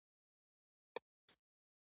د ویښتو د پخې لپاره باید څه شی وکاروم؟